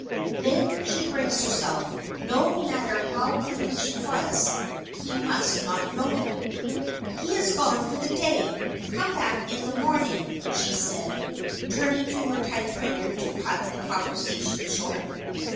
Then she braced herself; no matter how afraid she was, he must not know it. "He has gone for the day. Come back in the morning," she said, turning to her typewriter to cut the conversation short.